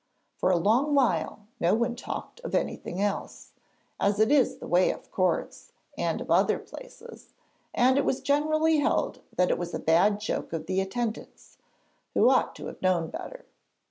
For a long while no one talked of anything else, as is the way of courts and other places and it was generally held that it was a bad joke of the attendant's, who ought to have known better.